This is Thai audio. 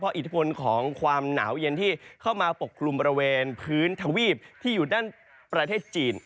อิทธิพลของความหนาวเย็นที่เข้ามาปกคลุมบริเวณพื้นทวีปที่อยู่ด้านประเทศจีน